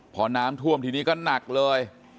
พอน้ำท่วมทีนี้ก็หนักเลย